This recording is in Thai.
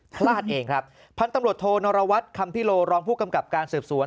พลาดเองครับพันธุ์ตำรวจโทนรวัตรคำพิโลรองผู้กำกับการสืบสวน